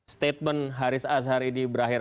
statement haris azhar ini berakhir